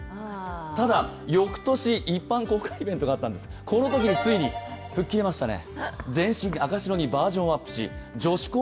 ただ、翌年、一般公開イベントがあったときに、ついに吹っ切れましたね。